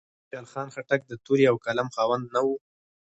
آیا خوشحال خان خټک د تورې او قلم خاوند نه و؟